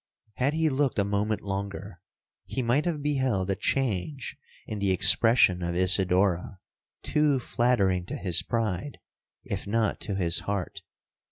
'Had he looked a moment longer, he might have beheld a change in the expression of Isidora too flattering to his pride, if not to his heart.